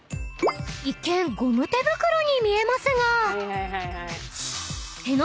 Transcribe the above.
［一見ゴム手袋に見えますが］